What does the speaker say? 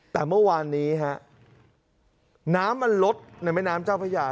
แต่เมื่อวานนี้ฮะน้ำมันลดในแม่น้ำเจ้าพระยา